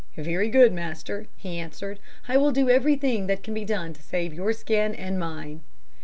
"'Very good, master,' he answered. 'I will do everything that can be done to save your skin and mine.'